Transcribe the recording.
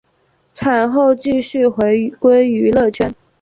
产后继续回归娱乐圈。